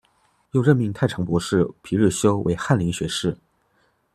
又任命太常博士皮日休为翰林学士。